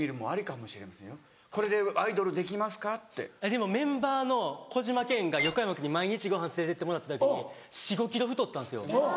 でもメンバーの小島健が横山君に毎日ご飯連れてってもらってた時に４５ｋｇ太ったんですよ。